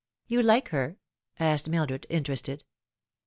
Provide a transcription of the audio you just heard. " You like her ?" asked Mildred, interested.